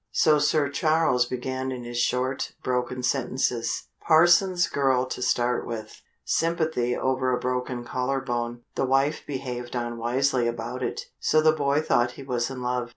So Sir Charles began in his short, broken sentences: "Parson's girl to start with sympathy over a broken collar bone. The wife behaved unwisely about it, so the boy thought he was in love.